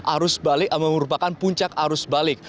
arus balik merupakan puncak arus balik